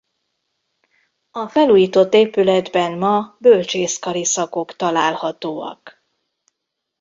A felújított épületben ma bölcsészkari szakok találhatóak.